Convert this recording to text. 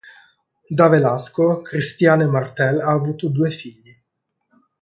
Da Velasco, Christiane Martel ha avuto due figli.